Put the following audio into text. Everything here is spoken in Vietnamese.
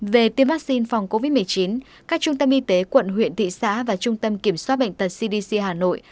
về tiêm vaccine phòng covid một mươi chín các trung tâm y tế quận huyện thị xã và trung tâm kiểm soát bệnh tật cdc hà nội